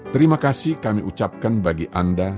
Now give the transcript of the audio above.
terima kasih kami ucapkan bagi anda